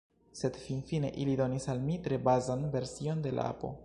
Sed finfine ili donis al mi tre bazan version de la apo.